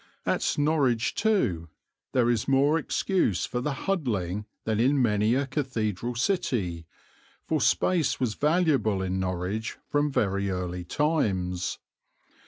At Norwich, too, there is more excuse for the huddling than in many a cathedral city, for space was valuable in Norwich from very early times.